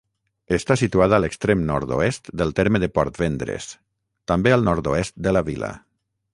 Està situada a l'extrem nord-oest del terme de Portvendres, també al nord-oest de la vila.